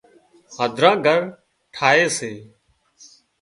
هڌران گھر ٺاهي سي